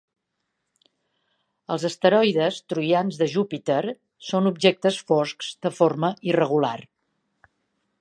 Els asteroides troians de Júpiter són objectes foscs de forma irregular.